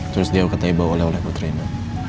terus dia kata ibu bawa oleh oleh buat reina